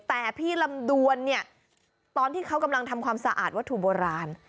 แต่พี่ลำดวนเนี่ยตอนที่เขากำลังทำความสะอาดวัตถุโบราณ